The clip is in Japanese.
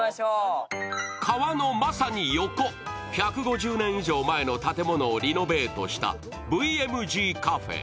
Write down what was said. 川のまさに横、１５０年以上前の建物をリノベートしたＶＭＧＣＡＦＥ。